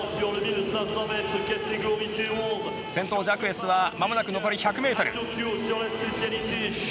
先頭、ジャクエスはまもなく残り１００ｍ。